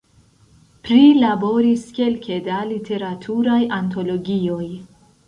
Prilaboris kelke da literaturaj antologioj.